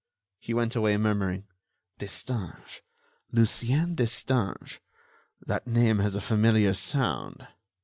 He went away, murmuring: "Destange ... Lucien Destange ... that name has a familiar sound."